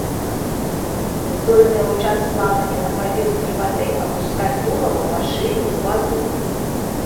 Здольныя ў час плавання на паверхні вады апускаць тулава па шыю ў ваду.